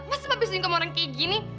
masa mami selingkuh sama orang kayak gini